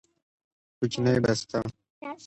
کوچنۍ بسته